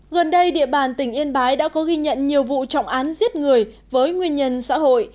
gần đây địa bàn tỉnh yên bái đã có ghi nhận nhiều vụ trọng án giết người với nguyên nhân xã hội